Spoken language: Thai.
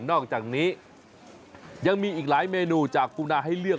นอกจากนี้ยังมีอีกหลายเมนูจากปูนาให้เลือก